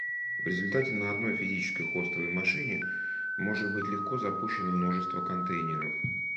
В результате на одной физической хостовой машине может быть легко запущено множество контейнеров